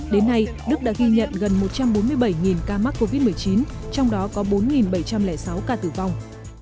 đến nay đức đã ghi nhận gần một trăm bốn mươi bảy ca mắc covid một mươi chín trong đó có bốn bảy trăm linh sáu ca tử vong